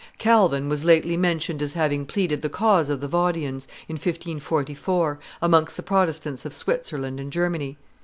Calvin was lately mentioned as having pleaded the cause of the Vaudians, in 1544, amongst the Protestants of Switzerland and Germany.